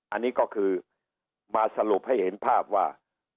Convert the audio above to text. อันนี้ก็คือมาสรุปให้เห็นภาพว่า